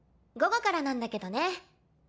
午後からなんだけどね。